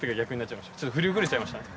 ちょっと振り遅れちゃいましたね